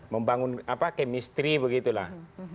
membangun kemistri begitu lah